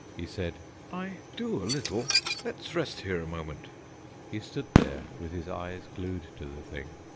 He said: "I do, a little. Let's rest here a moment." He stood there with his eyes glued to the thing.